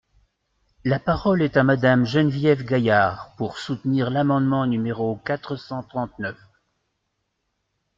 La parole est à Madame Geneviève Gaillard, pour soutenir l’amendement numéro quatre cent trente-neuf.